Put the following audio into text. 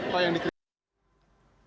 pak yang dikirimkan